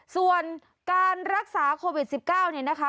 ส่วนการรักษาโควิด๑๙เนี่ยนะคะ